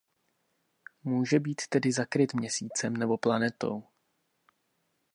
Může být tedy zakryt Měsícem nebo planetou.